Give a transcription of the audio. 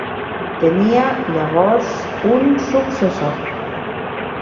Tenia llavors un successor.